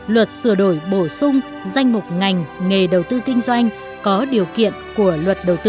luật sửa đổi bổ sung danh mục ngành nghề đầu tư kinh doanh có điều kiện của luật đầu tư